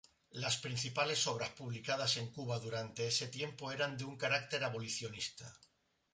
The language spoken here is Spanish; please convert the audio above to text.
Las principales obras publicadas en Cuba durante ese tiempo eran de un carácter abolicionista.